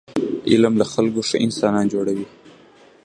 علم له خلکو ښه انسانان جوړوي.